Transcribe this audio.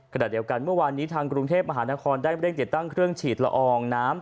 ขณะเดียวกันเมื่อวานนี้ทางกรุงเทพมหานครได้เร่งติดตั้งเครื่องฉีดละอองน้ำ